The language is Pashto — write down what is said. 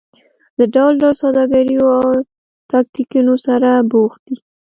له ډول ډول سوداګریو او تاکتیکونو سره بوخت دي.